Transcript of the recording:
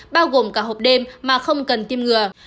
bao gồm cả hộp đêm mà không cần tiêm ngừa